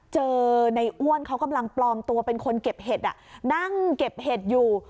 เจอในอ้วนเขากำลังปลอมตัวเป็นคนเก็บเห็ดนั่งเก็บเห็ดอยู่